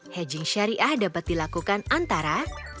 hedging syariah dapat dilakukan antara